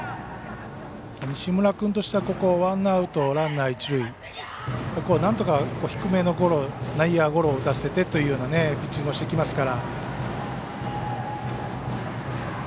西村君としては、ここをワンアウト、ランナー、一塁なんとか低めの内野ゴロを打たせてというようなピッチングをしてきますから。